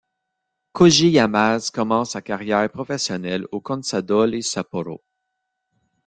Koji Yamase commence sa carrière professionnelle au Consadole Sapporo.